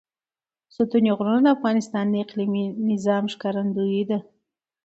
ستوني غرونه د افغانستان د اقلیمي نظام ښکارندوی ده.